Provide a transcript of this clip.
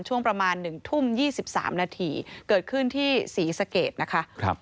ช่วงประมาณหนึ่งทุ่มยี่สิบสามนาทีเกิดขึ้นที่ศรีสะเกตนะคะครับ